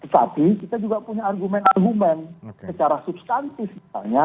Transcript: tapi kita juga punya argumen argumen secara substantif misalnya